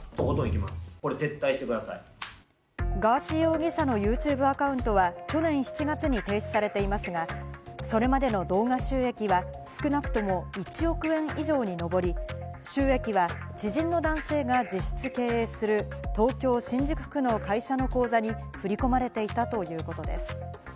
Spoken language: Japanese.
ガーシー容疑者のＹｏｕＴｕｂｅアカウントは去年７月に停止されていますが、それまでの動画収益は少なくとも１億円以上にのぼり、収益は知人の男性が実質経営する東京・新宿区の会社の口座に振り込まれていたということです。